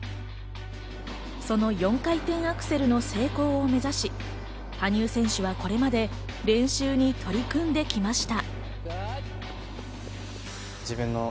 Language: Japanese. その４回転アクセルの成功を目指し、羽生選手はこれまで練習に取り組んできました。